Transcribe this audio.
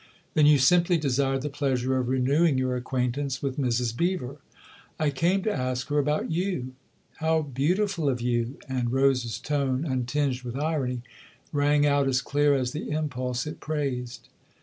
" Then you simply desired the pleasure of renew ing your acquaintance with Mrs. Beever ?" 212 THE OTHER HOUSE " I came to ask her about you." " How beautiful of you !" and Rose's tone, un tinged with irony, rang out as clear as the impulse it praised.